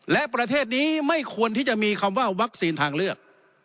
และประเทศนี้ไม่ควรที่จะมีคำว่าวัคซีนทางเลือก